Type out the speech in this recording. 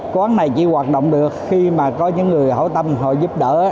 quán này chỉ hoạt động được khi mà có những người hảo tâm họ giúp đỡ